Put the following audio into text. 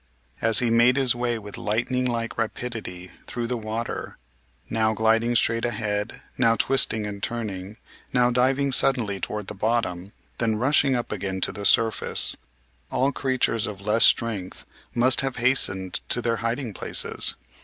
As he made his way with lightning like rapidity through the water, now gliding straight ahead, now twisting and turning, now diving suddenly toward the bottom, then rushing up again to the surface, all creatures of less strength must have hastened to their hiding places.